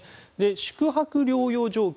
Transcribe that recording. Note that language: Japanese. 宿泊療養状況